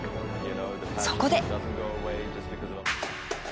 そこで。